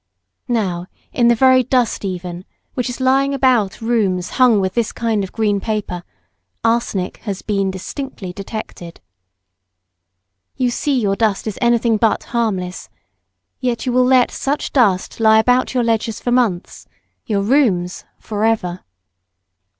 Now in the very dust even, which is lying about in rooms hung with this kind of green paper, arsenic has been distinctly detected. You see your dust is anything but harmless; yet you will let such dust lie about your ledges for months, your rooms for ever.